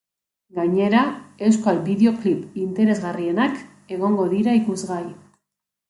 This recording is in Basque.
Gainera, euskal bideoklip interesgarrienak egongo dira ikusgai.